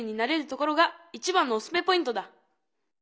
ところが一番のおすすめポイントだ！